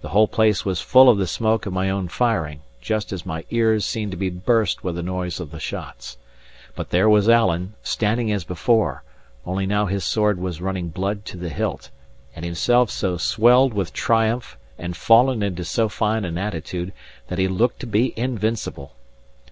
The whole place was full of the smoke of my own firing, just as my ears seemed to be burst with the noise of the shots. But there was Alan, standing as before; only now his sword was running blood to the hilt, and himself so swelled with triumph and fallen into so fine an attitude, that he looked to be invincible.